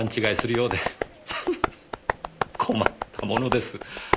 フフフ困ったものです。